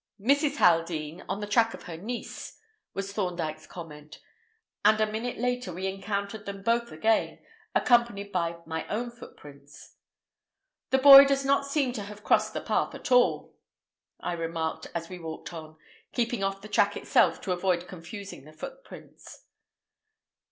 "Mrs. Haldean on the track of her niece," was Thorndyke's comment; and a minute later we encountered them both again, accompanied by my own footprints. "The boy does not seem to have crossed the path at all," I remarked as we walked on, keeping off the track itself to avoid confusing the footprints.